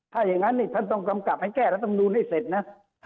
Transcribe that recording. ถ้าอย่างนั้นเนี่ยคำกลับให้แก้รัฐบุรธ์ให้เสร็จนะ